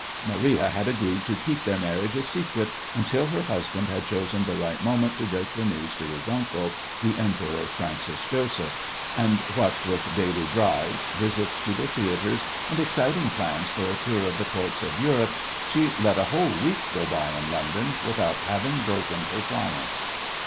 Maria had agreed to keep their marriage a secret until her husband had chosen the right moment to break the news to his uncle, the Emperor Francis Joseph, and what with daily drives, visits to the theatres, and exciting plans for a tour of the Courts of Europe, she let a whole week go by in London without having broken her promise.